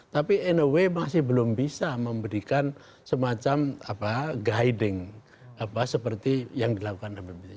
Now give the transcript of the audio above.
tapi in a way masih belum bisa memberikan semacam guiding seperti yang dilakukan habib rizieq syihab